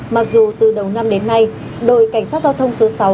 mặc dù từ đầu năm đến nay đội cảnh sát giao thông số sáu